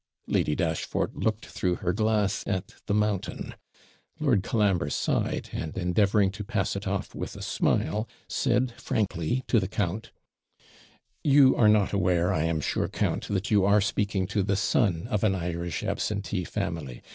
Lady Dashfort looked through her glass at the mountain; Lord Colambre sighed, and, endeavouring to pass it off with a smile, said frankly to the count 'You are not aware, I am sure, count, that you are speaking to the son of an Irish absentee family.